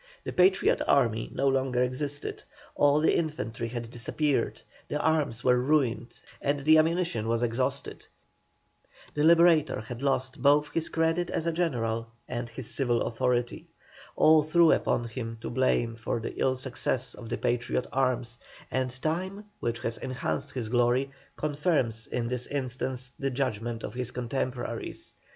The Patriot army no longer existed, all the infantry had disappeared, the arms were ruined and the ammunition was exhausted. The Liberator had lost both his credit as a general and his civil authority. All threw upon him the blame for the ill success of the Patriot arms, and time, which has enhanced his glory, confirms in this instance the judgment of his contemporaries.